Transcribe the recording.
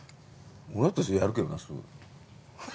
俺だったらやるけどなすぐ。